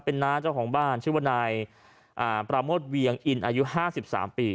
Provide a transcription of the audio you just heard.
เป็นน้าเจ้าของบ้านชื่อว่านายปราโมทเวียงอินอายุ๕๓ปี